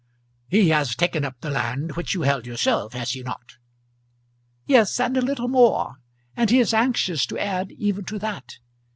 "He has taken up the land which you held yourself, has he not?" "Yes, and a little more; and he is anxious to add even to that.